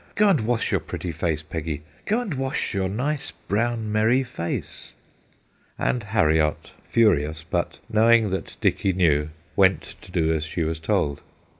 Go and wash your pretty face, Peggy ; go and wash your nice, brown, merry face !' And Harriot, furious, but knowing that Dicky knew, went to do as she was told.